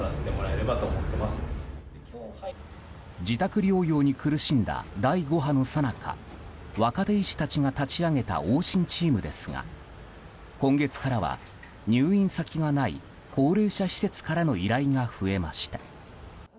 自宅療養に苦しんだ第５波のさなか若手医師たちが立ち上げた往診チームですが今月からは入院先のない高齢者施設からの依頼が増えました。